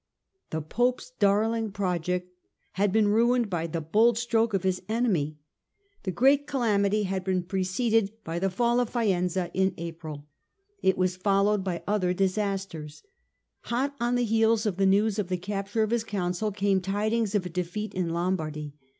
The Pope's darling project had been ruined by the bold stroke of his enemy. The great calamity had been THE CAPTURED COUNCIL 199 preceded by the fall of Faenza in April : it was followed by other disasters. Hot on the heels of the news of the capture of his Council came tidings of a defeat in Lombardy.